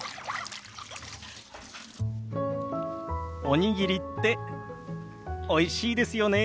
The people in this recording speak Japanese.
おにぎりっておいしいですよね。